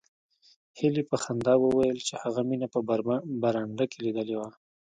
هیلې په خندا وویل چې هغه مینه په برنډه کې لیدلې وه